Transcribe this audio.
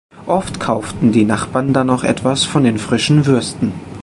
Oft kauften die Nachbarn dann auch etwas von den frischen Würsten.